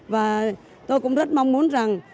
và tôi cũng rất mong muốn rằng